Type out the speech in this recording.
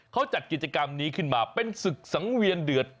เขาจัดกิจกรรมนี้ขึ้นมาเป็นศึกสังเวียนเดือด